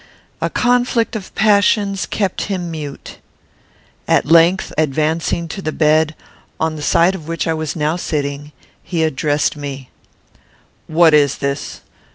A conflict of passions kept him mute. At length, advancing to the bed, on the side of which I was now sitting, he addressed me: "What is this?